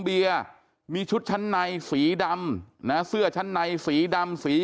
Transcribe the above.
เบียร์มีชุดชั้นในสีดำนะเสื้อชั้นในสีดำสี